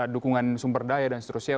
dukungan sumber daya dan seterusnya